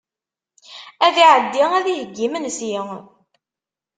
Ad iɛeddi ad iheyyi imensi.